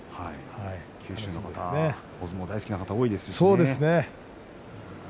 九州の方は大相撲大好きな方が多いですからね。